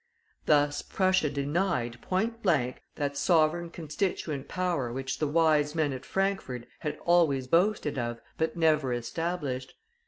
Thus Prussia denied, point blank, that sovereign constituent power which the wise men at Frankfort had always boasted of, but never established.